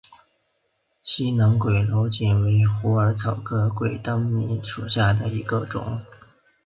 西南鬼灯檠为虎耳草科鬼灯檠属下的一个种。